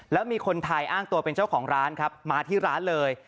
แล้วมีคนไทยอ้างตัวเป็นเจ้าของร้านครับมาที่ร้านเลย